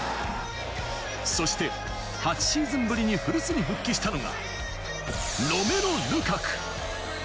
そして８シーズンぶりに古巣に復帰したのが、ロメル・ルカク。